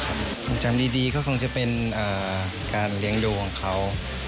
ผมจำดีก็คงจะเป็นการเลี้ยงดูของเขา